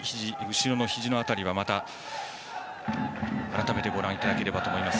後ろのひじの辺りをまた改めてご覧いただければと思います。